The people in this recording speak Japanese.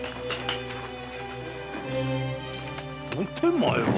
お手前は？